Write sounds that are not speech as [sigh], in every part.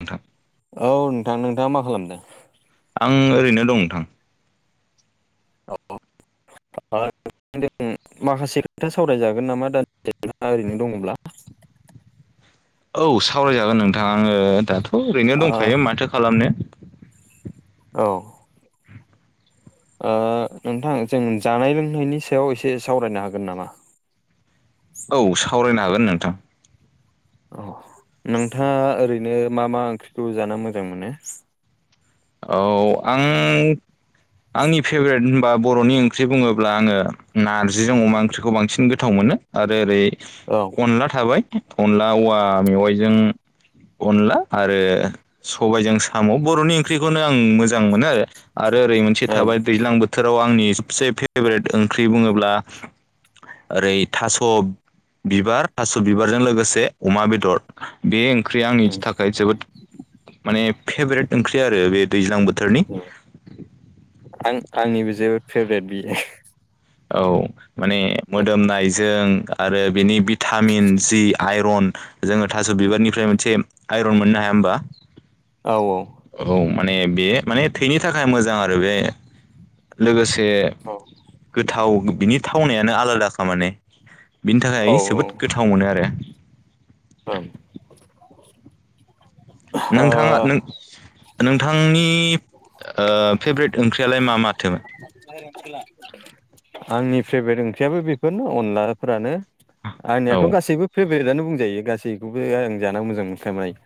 नोंथां। औ नोंथां नोंथाङा मा खालामदो? आं ओरैनो दं नोंथां। औ [unintelligible] माखासे खोथा सावरायजागोन नामा [unintelligible] ओरैनो दङब्ला? औ सावरायजागोन नोंथां आङो दाथ' ओरैनो ओ दंखायो माथो खालामनो। औ नोंथां जों जानाय लोंनायनि सायाव एसे सावरायनो हागोन नामा? औ सावरायनो हागोन नोंथां। औ नोंथाङा ओरैनो मा मा ओंख्रिखौ जानो मोजां मोनो? औ आं आंनि फेभरेट बा बर'नि ओंख्रि बुङोब्ला आङो नार्जिजों अमा ओंख्रिखौ बांसिन गोथाव मोनो आरो ओरै औ। अनला थाबाय अनला औवा मेवाइजों अनला आरो सबाइजों साम' बर'नि ख्रिखौनो आं मोजां मोनो आरो ओरै मोनसे ओं थाबाय दैज्लां बोथोराव आंनि सबसे फेभरेट ओंख्रि बुङोब्ला ओरै थास' बिबार थास' बिबारजों लोगोसे अमा बेदर बे ओं ख्रिया आंनि उम थाखाय जोबोद माने फेभ्रेट ओंख्रि आरो बे दैज्लां बोथोरनि। उम आं आंनिबो जेबोद फेभरेट बियो। औ माने मोदोमनायजों आरो बिनि थामिन जि आइरन जोङो थास' बिबारनिफ्राय मोनसे आइरन मोननो हाया होमबा? औ औ। औ माने बे माने थैनि थाखाय मोजां आरो बे लोगोसे औ गोथाव बिनि थावनायानो आलादाखा माने बिनि औ थाखाय जोबोद गोथ थाव मोनो आरो। औ ओ नोंथाङा नों नोंथांनि ओ फेभ्रेट ओंख्रियालाय मा माथो? आंनि फ्रेबेट ओंख्रियाबो बेफोरनो अनलाफोरानो। औ आंनियाथ' गासैबो फेभरेटआनो बुंजायो गासैखौबो आं जाना मोजां मोनखाबाय।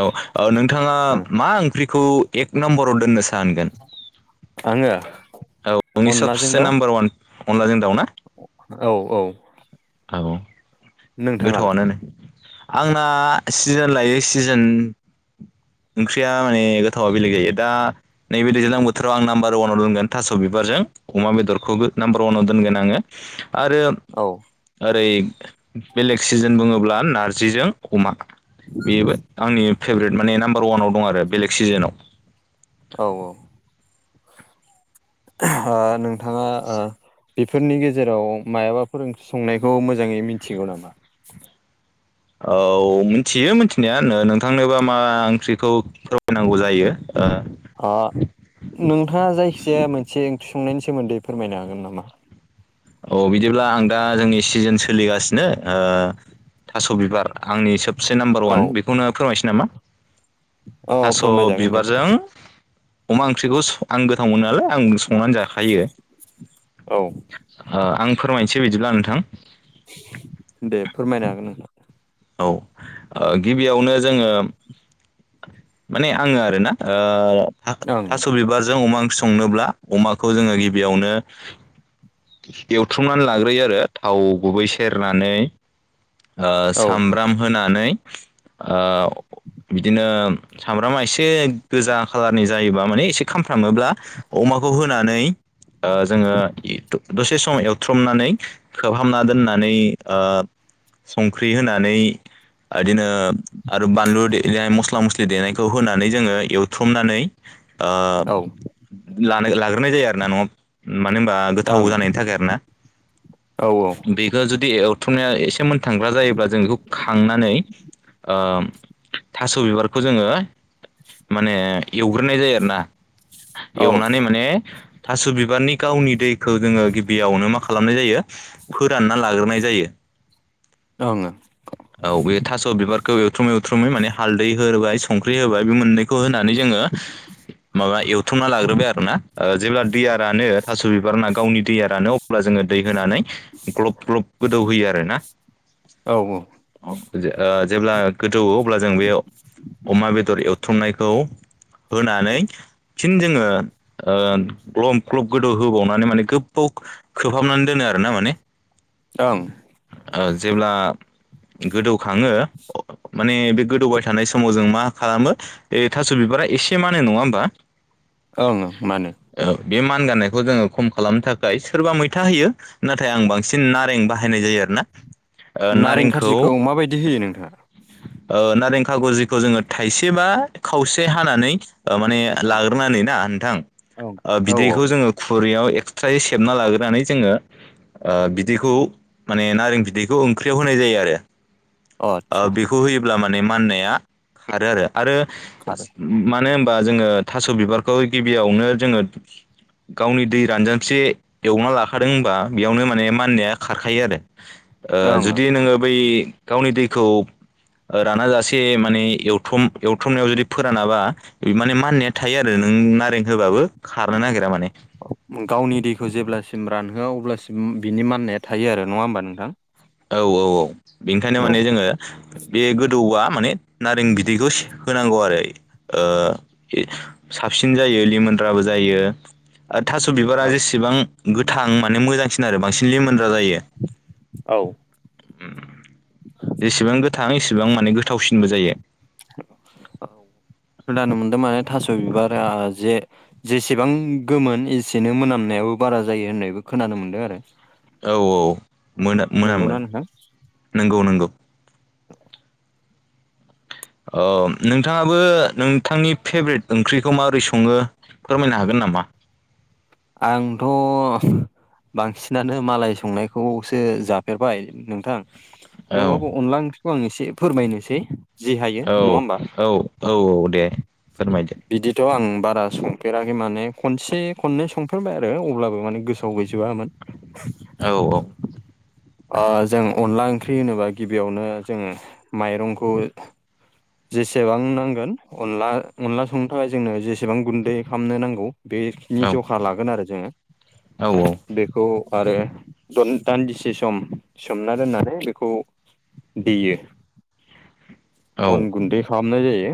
औ औ नोंथाङा ओं मा ओंख्रिखौ एक नम्बराव दोननो सानगोन? [inaudible] आङो? औ नोंनि अनलाजों सोबसे दाउ नाम्बार अवान अनलाजों दाउ ना औ औ औ गोथाव नोंथाङालाय आनो आंना सिजोन लायो सिजोन ओंख्रिया माने गोथावा बेलेग जायो दा नैबे दैज्लां बोथोराव आं नाम्बार वानाव दोनगोन थास' बिबारजों अमा बेदरखौबो नाम्बार वानाव दोनगोन आङो आरो औ ओरै बेलेग सिजोन बुङोब्ला नारजिजों अमा। बेबो आंनि फेभरेट माने नाम्बार वानाव दं आरो बेलेग सिजोनाव। औ औ [unintelligible] ओ नोंथाङा ओ बेफोरनि गेजेराव मायाबाफोर ओंख्रि संनायखौ मोजाङै मिथिगौ नामा? औ मिथियो मिथिनाया [unintelligible] नोंथांनोबा मा ओंख्रिखौ फोरमायनांगौ जायो ओ ओ नोंथाङा जायखिजाया मोनसे ओंख्रि संनायनि सोमोन्दै फोरमायनो हागोन नामा? औ बिदिब्ला आं दा जोंनि सिजोन सोलिगासिनो ओ थास' बिबार आंनि सबसे नाम्बार औ अवान बेखौनो फोरमायसै नामा? औ थास' फोरमायजागोन दे बिबारजों अमा ओंख्रिखौ आं गोथाव मोनो नालाय आं संनानै जाखायो। औ ओ आं फोरमायनोसै बिदिब्ला नोंथां। दे फोरमायनो हागोन नोंथां। औ ओ गिबियावनो जोङो माने आङो आरोना नोंथां थास' बिबारजों अमा ओंख्रि [unintelligible] संनोब्ला अमाखौ जोङो गिबियावनो एवथ्रुमनानै लाग्रोयो आरो थाव गुबै सेरनानै ओं सामब्राम होनानै ओ बिदिनो सामब्रामा एसे गोजा खालारनि जायोबा माने एसे खामफ्रामोब्ला अमाखौ होनानै जोङो दसे सम एवथ्रमनानै खोबहाबना दोननानै ओ संख्रि दै होनानै इदिनो आरो बानलु देनाय मासला मसलि जे देनायखौ होनानै जोङो एवथ्रमनानै ओं लानो लाग्रोनाय जायोना आरोना न'वाव मानो होनबा औ गोथाव ओं जानायनि थाखाय आरो ना औ बे ओ जुदि एवथुमनाया एसे मोनथांग्रा जायोब्ला जों बेखौ खांनानै ओ थास' बिबारखौ जोङो माने एवग्रोनाय जायो आरोना औ एवनानै माने थास' बिबारनि गावनि दैखौ जोङो गिबियावनो मा खालामनाय जायो फोरानना लाग्रोनाय जायो। [unintelligible] औ बे थास' बिबारखौ एवथ्रुमै एवथ्रुमै माने हालदै होबाय संख्रि होबाय बे मोननैखौ खो होनानै जोङो माबा एवथुमना लाग्रोबाय आरो ना जेब्ला दैया रानो। थास' बिबारा गावनि दैया रानो अब्ला जोङो दै होनानै ग्लब ग्लब गोदौ होयो आरोना। औ औ ओ जेब्ला गोदौवो अब्ला जों बे अमा बेदर एवथुमनायखौ होनानै फिन जोङो ओ ग्लब ग्लब गोदौ होबावनानै माने गोबाव खोबहाबनानै दोनो आरो ना माने ओं ओ जेब्ला गोदौखाङो माने बे गोदौबाय थानाय समाव जों मा ओ मा? ए थास' बिबारा एसे मानो नङा होमबा। ओं मानो औ बे मान गानायखौ जोङो खम खालामनो थाखाय सोरबा मैथा होयो नाथाय आं बांसिन नारें बाहायो। बाहायनाय जायो आरो ना। नारें खारजिखौ माबायदि होयो नोंथाङा ओ नारें खागुजिखौ जोङो थाइसे बा खावसे हानानै ओ माने ओं लाग्रोनानै ना नोंथां ओं ओ औ बिदैखौ जोङो खुरैयाव एक्सट्रायै सेबना लाग्रोनानै जोङो ओ बिदैखौ माने नारें बिदैखौ ओंख्रियाव होनाय जायो औ आदसा आरो खौ होयोब्ला माने माननाया खारो आरो आरो खारो मानो होनबा जोङो थास' बिबारखौ गिबियावनो जोङो गावनि दै रानजांसे एवना लाखादोंबा बेयावनो माने माननाया खारखा थायो आरो ओ ओं जुदि नोङो बै गावनि दैखौ ओ राना जासे माने एवथम एवथ्रमनायाव जुदि फोरानाबा माने माननाया थायो आरो नों नारें होबाबो खारनो नागिरा माने। गावनि दैखौ जेब्लासिम रानहोआ अब्लासिम बिनि माननाया थायो आरो नङा होमबा नोंथां। औ औ औ बेनिखायनो औ माने जोङो बे गोदौआ माने नारें बिदैखौ होनांगौ आरो। ओ साबसिन जायो लिमोनद्राबो जायो। ओ थास' बिबारा जेसेबां गोथां माने मोजांसिन आरो बांसिन लिमोनद्रा जायो। औ। जेसेबां गोथां एसेबां माने गोथावसिनबो जायो। खोनानो मोनदों माने थास' बिबारा जे जेसेबां गोमोन एसेनो मोनामनायाबो बारा जायो होननायबो खोनानो मोनदों आरो। औ औ मोना मोनामो नंगौना नोंगौ नोंगौ। औ अ नोंथाङाबो नोंथांनि फेभ्रेट ओंख्रिखौ माबोरै सङो फोरमायनो हागोन नामा। आंथ' बांसिनानो मालाय संनायखौसो जाफेरबाय नोंथां। औ थेवबाबो अनला ओंख्रिखौ आं एसे फोरमायनोसै। जि हायो औ नङा होमबा। औ औ दे फोरमायदो बिदिथ' आं बारा संफेराखै माने खनसे खननै सं फेरबाय आरो अब्लाबो माने गोसोआव गैजोबामोन। औ औ। ओ जों अनला ओंख्रि होनोबा गिबियावनो जों माइरंखौ जेसेबां नांगोन अनला अनला संनो थाखाय जोंनो जेसेबां गुन्दै खालामनो नांगौ बे नि औ जखा लागोन आरो जोङो औ औ। बेखौ आरो दान्दिसे सम सोमना दोननानै बेखौ [unintelligible] औ अन गुन्दै खालामनाय जायो।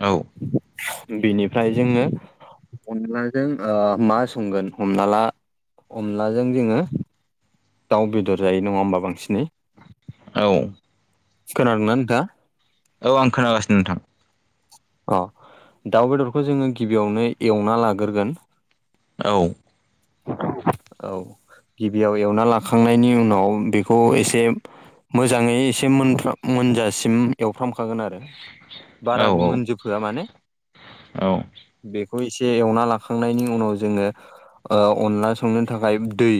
औ। बिनिफ्राय जोङो अनलाजों ओ मा संगोन हमना ला अनलाजों जोङो दाउ बेदर जायो नङा होमबा बांसिनै औ। खोनादों ना नोंथाङा औ आं खोनागासिनो नोंथां। अ दाउ बेदरखौ जोङो गिबियावनो एवना लाग्रोगोन। औ। [unintelligible] औ। गिबियाव एवना लाखांनायनि उनाव बेखौ एसे। मोजाङै एसे मोनफ्रा मोनजासिम एवफ्रामखागोन आरो। औ बाराबो मोनजोबहोआ माने। औ। बेखौ एसे एवना लाखांनायनि उनाव जोङो ओ अनला संनो थाखाय दै।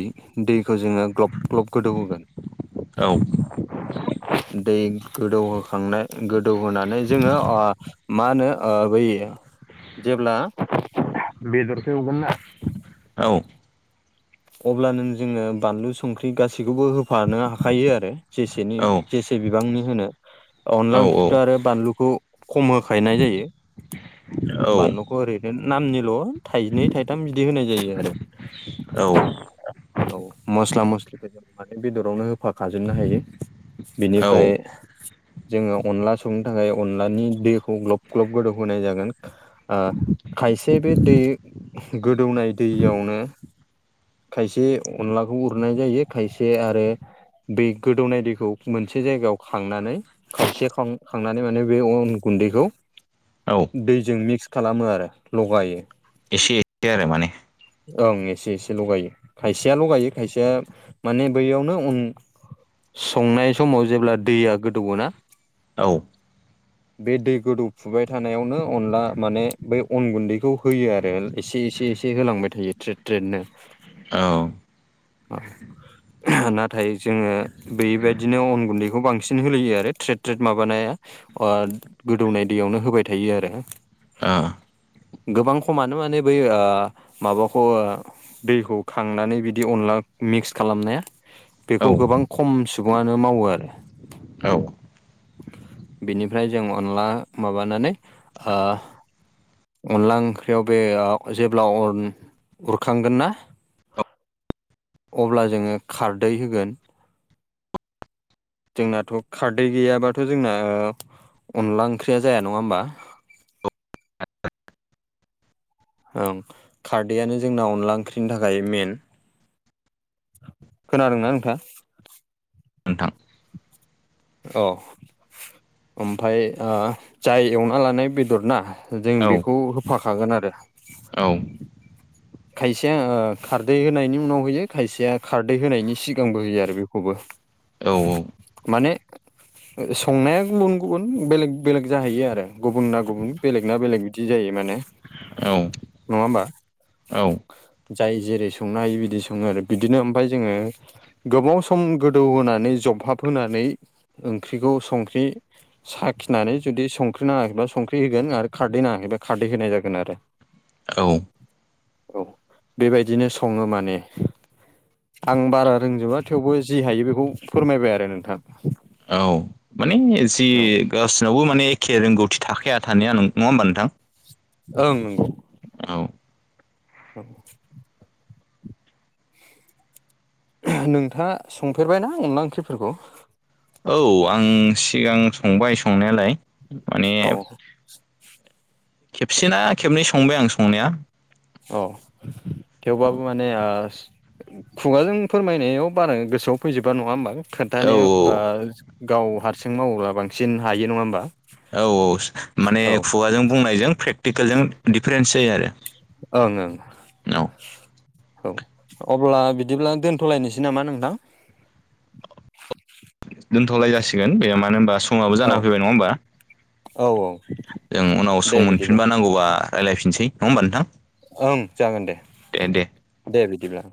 दैखौ जोङो ग्लब ग्लब गोदौहोगोन। औ दै गोदौहोखांनाय गोदौहोनानै जोङो ओ। मा होनो ओ बै जेब्ला हो बेदरखौ एवगोन ना। औ। अब्लानों जोङो बानलु संख्रि गासिबखौबो होफानो हाखायो आरो। जेसेनि औ जेसे बिबांनि होनो अनला ओंख्रिखौथ आरो बानलुखौ। खम होखायनाय जायो। बानलुखौ ओरैनो नामनिल' थाइनै थाइथाम बिदि होनाय जायो आरो। औ। [unintelligible] माने बेदरावनो होफाखाजोबनो हायो। औ बिनिफ्राय। जोङो अनला संनो थाखाय अनलानि दैखौ ग्लब ग्लब गोदौ होनोनाय जागोन। ओ खायसे बे दै गोदौनाय दैयावनो खायसे अनलाखौ उरनाय जायो खायसे आरो। बि गोदौनाय दैखौ मोनसे जायगायाव खांनानै खावसे खां खांनानै माने बे अन गुन्दैखौ। औ। दैजों मिक्स खालामो आरो लगायो। एसे एदो आरो माने। ओं एसे एसे। लगायो खायसेया ल'गायो खायसेया माने बैयावनो अन संनाय समाव जेब्ला दैया गोदौवो ना। औ। बे दै गोदौफुबाय थानायावनो अनला माने बै अन गुन्दैखौ। होयो आरो एसे एसे एसे होलांबाय थायो ट्रेड ट्रेडनो। औ। [unintelligible] नाथाय जोङो बैबायदिनो अन गुन्दैखौ बांसि नो होलायो आरो ट्रेद ट्रेद माबानाया अयाद गोदौनाय दैयावनो होबाय थायो आरो। [inaudible] गोबां खमानो माने बै ओयो माबाखौ ओयो। दैखौ खांनानै बिदि अनला मिक्स खालामनाया। ओ बेखौ गोबां खम सुबुङानो मावो आरो। औ बिनिफ्राय जों अनला माबानानै ओयो। अनला ओंख्रियाव बेयाव जेब्ला अरन खांगोन ना अब्ला जोङो खारदै होगोन। जोंनाथ' खारदै गैयाबाथ' जोंना ओयो अनला ओंख्रिया जाया नङा होमबा। ओं खारदैयानो जोंना अनला ओंख्रिनि थाखाय मेन। खोनादोंना नोंथाङा। नोंथां। औ ओमफ्राय ओ जाय एवना लानाय बेदर ना। जों औ बेखौ होफाखागोन आरो। औ। खायसेया ओ खारदै होनायनि उनाव होयो खायसेया खारदै होनायनि सिगांबो होयो आरो बिखौबो। [inaudible] औ औ। संनाया गुबुन गुबुन बेलेग बेलेग जाहैयो आरो गुबुनना गुबुन। बेलेग ना बेलेग बिदि जायो माने औ नङा होमबा? औ जाय जेरै संनो हायो बिदि सङो आरो बिदिनो ओमफाय जोङो गोबाव सम गोदौ होनोनानै जबहाब होनानै ओंख्रिखौ संख्रि साखिनानै जुदि संख्रि नाङाखैब्ला संख्रि होगोन आरो खारदै नाङाखैबा खारदै होनाय जागोन आरो। औ। औ बेबायदिनो सङो माने। आं बारा रोंजोबा थेवबो जि हायो बेखौ फोरमायबाय आरो नोंथां। औ माने जि औ गासिनावबो माने एखे रोंगौथि थाखायाया थानाया नङा होमबा नोंथां? ओं नंगौ। औ। औ नोंथाङा संफेरबायना अनला ओंख्रिफोरखौ? औ आं सिगां संबाय संनायालाय माने औ खेबसेना खेबनै संबाय आं संनाया। औ थेवबाबो माने खुगाजों फोरमायनायाव बारा गोसोआव फैजोबा नङा होमबा? औ खोन्थानो गाव हारसिं मावोब्ला बांसिन हायो नङा होमबा? औ औ माने औ खुगाजों बुंनायजों प्रेक्टिकेलजों डिफारेन्स जायो आरो। ओं ओं। औ औ अब्ला बिदिब्ला दोनथ'लायनोसै नामा नोंथां? दोनथ'लाय जासिगोन बे मानो होनबा समावाब औ जाना फैबाय नङा होमबा? औ औ। जों उनाव दे सम बिदिब्ला मोनफिनबा नांगौबा रायज्लायफिनसै नङा होमबा नोंथां? ओं जागोन दे दे बिदिब्ला।